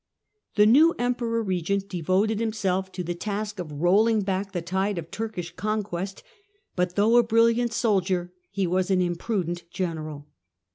The new Emperor regent devoted himself to the task of rolling back the tide of Turkish conquest, but, though a brilliant soldier, he was an imprudent general.